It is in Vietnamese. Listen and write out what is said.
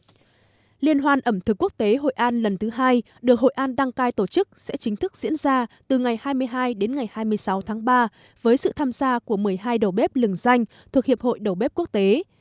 liên hoan ẩm thực quốc tế hội an lần thứ hai được hội an đăng cai tổ chức sẽ chính thức diễn ra từ ngày hai mươi hai đến ngày hai mươi sáu tháng ba với sự tham gia của một mươi hai đầu bếp lừng danh thuộc hiệp hội đầu bếp quốc tế